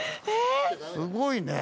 すごいね。